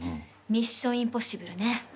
ミッションインポッシブルね。